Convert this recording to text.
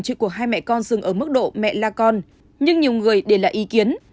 chỉ của hai mẹ con dừng ở mức độ mẹ la con nhưng nhiều người để lại ý kiến